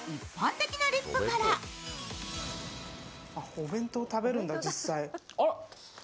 お弁当食べるんだ、実際。